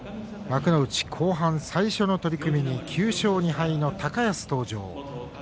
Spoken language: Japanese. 幕内後半最初の取組に９勝２敗の高安登場。